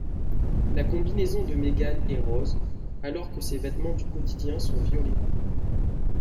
La combinaison de Megan est rose alors que ses vêtements du quotidien sont violets.